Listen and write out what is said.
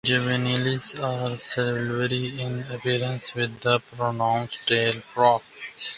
The juveniles are silvery in appearance with a pronounced tail fork.